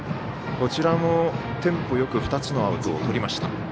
こちらもテンポよく２つのアウトをとりました。